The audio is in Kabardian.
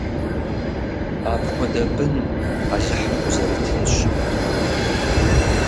Апхуэдэ бын Алыхьым къузэритынщ!